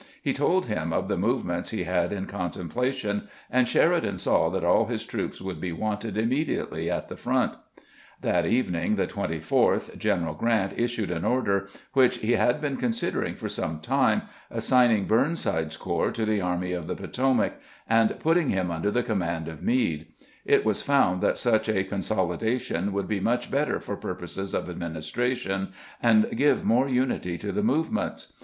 He told him of the movements he had in contemplation, and Sheri dan saw that aU his troopers would be wanted immedi ately at the front. That evening, the 24th, G eheral Grant issued an order, which he had been considering for some time, assigning Burnside's corps to the Army of the Potomac, and put ting him under the command of Meade. It was found that such a consolidation would be much better for pur poses of administration, and give more unity to the movements.